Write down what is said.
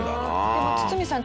でも堤さん